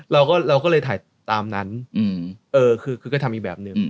เราก็เลยถ่ายตามนั้นคือก็ทำอีกแบบหนึ่ง